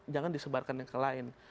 jangan disebarkan yang lain